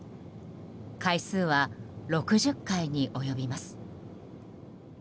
回数は６０回に及びます。